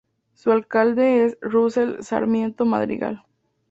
Su alcalde es Russel Sarmiento Madrigal.